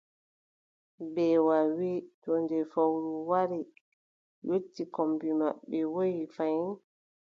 Mbeewa wii: to nde fowru wari yotti kombi maɓɓe, woyi fayin.